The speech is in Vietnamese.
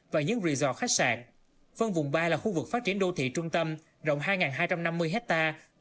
và những resort khách sạn phân vùng ba là khu vực phát triển đô thị trung tâm rộng hai hai trăm năm mươi hectare